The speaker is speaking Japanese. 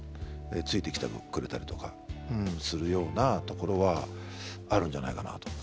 付いてきてくれたりとかするようなところはあるんじゃないかなと思って。